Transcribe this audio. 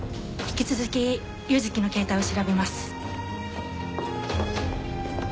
引き続き柚木の携帯を調べます。